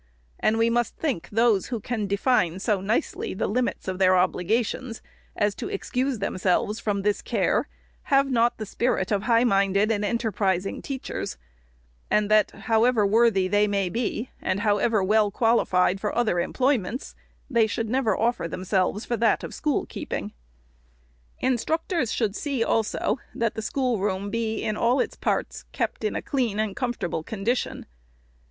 And we must think those who can define so nicely the limits of their obligations, as to excuse them selves from this care, have not the spirit of high minded and enterprising teachers, and that, however worthy they may be, and however well qualified for other employ ments, they should never offer themselves for that of school keeping. " Instructors should see, also, that the schoolroom be, in all its parts, kept in a clean and comfortable condition.